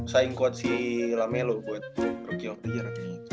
saing kuat si lame lo buat rookie yang terakhir